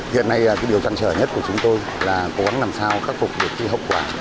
hiện nay điều trăn trở nhất của chúng tôi là cố gắng làm sao khắc phục việc thi học quả